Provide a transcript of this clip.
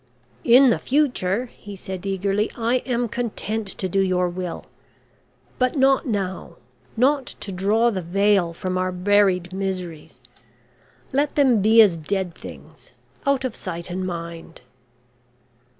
"In the future," he said eagerly, "I am content to do your will. But not now not to draw the veil from our buried miseries. Let them be as dead things out of sight and mind."